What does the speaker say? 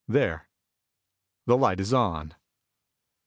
There. The light is on.